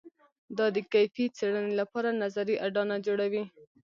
دا د کیفي څېړنې لپاره نظري اډانه جوړوي.